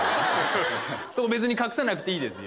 そこ別に隠さなくていいですよ